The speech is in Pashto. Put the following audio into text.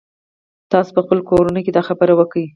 تاسو په خپلو کورونو کښې دا خبره وکئ.